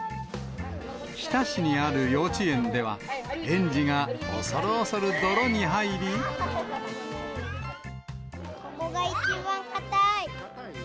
日田市にある幼稚園では、ここが一番硬い。